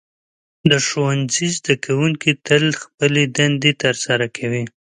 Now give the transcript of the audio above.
د ښوونځي زده کوونکي تل خپلې دندې ترسره کوي.